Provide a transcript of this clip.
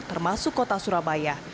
termasuk kota surabaya